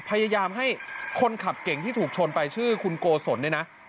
พยายามให้คนขับเก่งที่ถูกชนไปชื่อคุณโกศลเนี่ยนะ